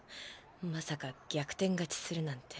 まさか逆転勝ちするなんて。